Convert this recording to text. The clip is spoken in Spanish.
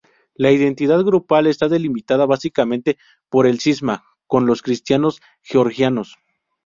La identidad grupal está delimitada básicamente por el cisma con los cristianos georgianos.